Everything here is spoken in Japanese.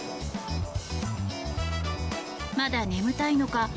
まだ眠たいのか